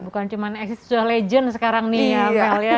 bukan cuma eksistensi sudah legend sekarang nih ya